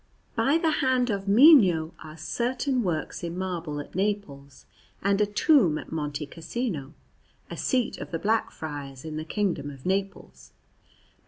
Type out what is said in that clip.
By the hand of Mino are certain works in marble at Naples, and a tomb at Monte Cassino, a seat of the Black Friars in the kingdom of Naples; the S.